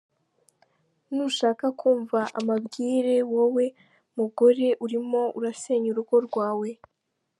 Nushaka kumva amabwire wowe mugore, urimo urasenya urugo rwawe.